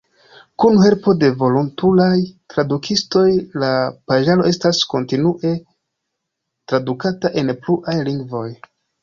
Kun helpo de volontulaj tradukistoj la paĝaro estas kontinue tradukata en pluaj lingvoj.